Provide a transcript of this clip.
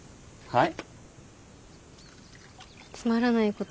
はい。